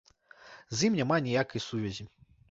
З ім няма ніякай сувязі.